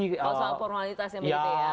kalau soal formalitas yang begitu ya